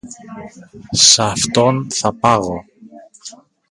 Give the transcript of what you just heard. Σ' αυτόν θα πάγω